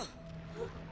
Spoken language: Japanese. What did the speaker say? あっ。